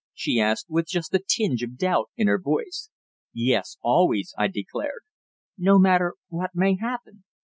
she asked, with just a tinge of doubt in her voice. "Yes, always," I declared. "No matter what may happen?"